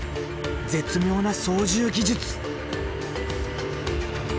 絶妙な操縦技術！